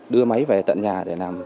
đưa máy về tận nhà để làm